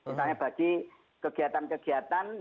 misalnya bagi kegiatan kegiatan